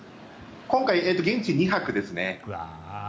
今回、現地２泊ですね。